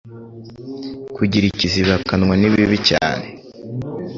Kugira ikizibakanwa nibibi cyane